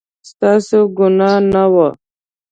ستاسو ګناه نه وه